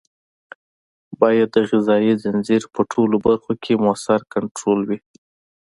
باید د غذایي ځنځیر په ټولو برخو کې مؤثر کنټرول وي.